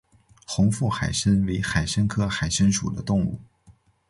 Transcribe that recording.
红腹海参为海参科海参属的动物。